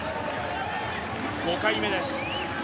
５回目です。